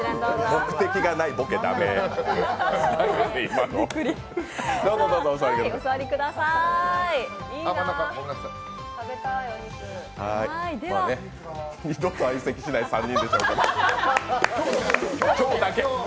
目的がないボケ、駄目二度と相席しない３人でしょうけど今日だけ。